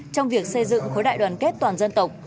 trong việc xây dựng khối đại đoàn kết toàn dân tộc